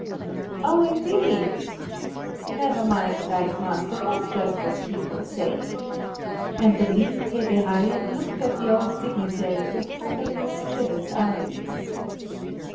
"Oh, indeed! Never mind, dikemaster; that's just what people say!" And the lean Tede Haien looked at the old dignitary with rather mischievous eyes.